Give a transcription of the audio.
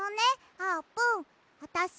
あーぷんあたし